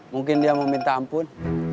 mungkin dia mau minta ampun